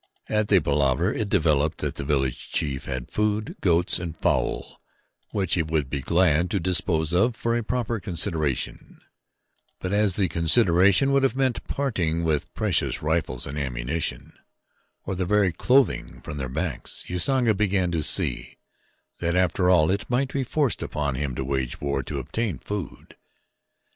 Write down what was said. At the palaver it developed that the village chief had food, goats, and fowl which he would be glad to dispose of for a proper consideration; but as the consideration would have meant parting with precious rifles and ammunition, or the very clothing from their backs, Usanga began to see that after all it might be forced upon him to wage war to obtain food.